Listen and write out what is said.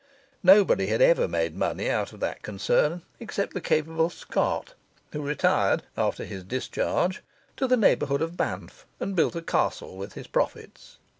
Nobody had ever made money out of that concern except the capable Scot, who retired (after his discharge) to the neighbourhood of Banff and built a castle with his profits.